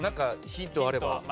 ヒントがあれば。